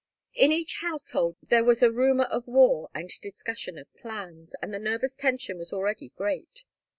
In each household there was rumour of war and discussion of plans, and the nervous tension was already great.